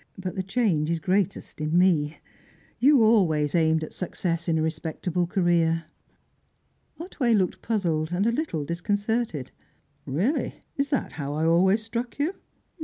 But the change is greatest in me. You always aimed at success in a respectable career." Otway looked puzzled, a little disconcerted. "Really, is that how I always struck you?